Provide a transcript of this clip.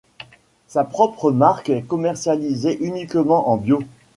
Sa propre marque est commercialisée uniquement en bio.